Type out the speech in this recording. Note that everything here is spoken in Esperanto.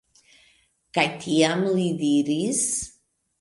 Kaj tiam li diris: